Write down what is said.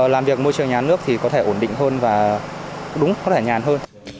làm việc môi trường nhà nước thì có thể ổn định hơn và đúng có thể nhàn hơn